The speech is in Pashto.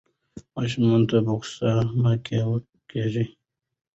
ماشومانو ته په غوسه مه کېږئ.